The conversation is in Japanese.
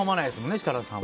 設楽さん。